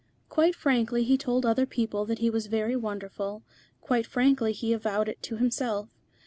Quite frankly he told other people that he was very wonderful, quite frankly he avowed it to himself.